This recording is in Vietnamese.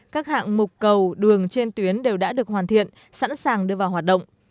các hạng mục cầu đường trên tuyến đều đã được hoàn thiện sẵn sàng đưa vào hoạt động